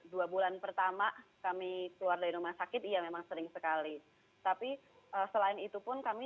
dua bulan pertama kami keluar dari rumah sakit iya memang sering sekali tapi selain itu pun kami